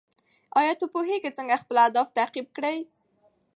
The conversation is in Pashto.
ایا ته پوهېږې څنګه خپل اهداف تعقیب کړې؟